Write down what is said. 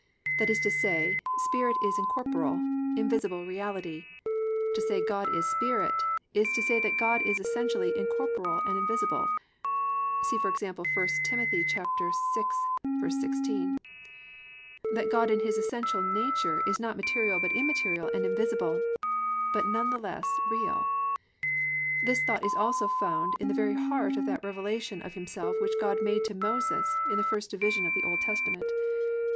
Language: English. That is to say, spirit is incorporeal, invisible reality. To say, "God is Spirit" is to say that God is essentially incorporeal and invisible (cf. 1 Tim. 6:16), that God in His essential nature is not material but immaterial and invisible, but none the less real. This thought is also found in the very heart of that revelation of Himself which God made to Moses in the first division of the Old Testament.